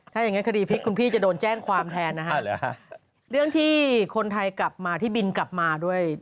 ถ้าอย่างนั้นคดีพลิกคุณพี่จะโดนแจ้งความแทนนะฮะ